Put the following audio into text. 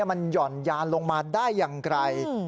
มันห่อนยานลงมาได้อย่างไร